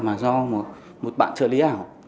mà do một bạn trợ lý ảo